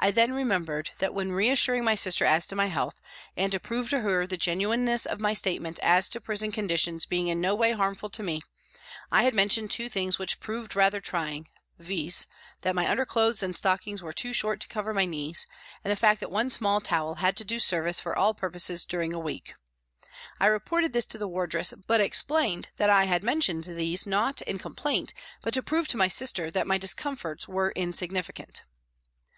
I then remem bered that, when reassuring my sister as to my health and to prove to her the genuineness of my state ments as to prison conditions being in no way harmful to me, I had mentioned two things which proved rather trying, viz., that my underclothes and stockings were too short to cover my knees, and the fact that one small towel had to do service for all purposes during a week. I reported this to the wardress, but explained that I had mentioned these not in complaint but to prove to my sister that my discomforts were insignificant.